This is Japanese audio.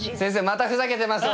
またふざけてます